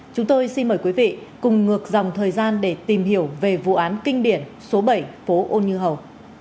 chúng tôi xin mời quý vị cùng ngược dòng thời gian để tìm hiểu về vụ án kinh điển số bảy phố ô như hầu